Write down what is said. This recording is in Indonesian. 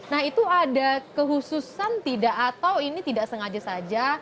nah itu ada kehususan tidak atau ini tidak sengaja saja